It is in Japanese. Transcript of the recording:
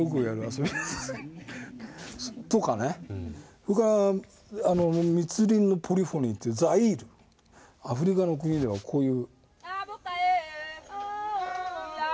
それから密林のポリフォニーというザイールアフリカの国ではこういう。